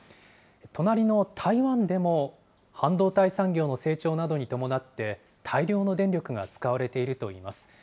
隣の台湾でも、半導体産業の成長などに伴って、大量の電力が使われているといいます。